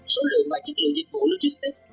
số lượng và chất lượng dịch vụ logistics